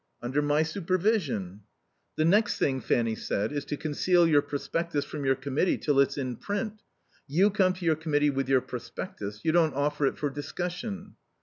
"Under my supervision." "The next thing," Fanny said, "is to conceal your prospectus from your Committee till it's in print. You come to your Committee with your prospectus. You don't offer it for discussion."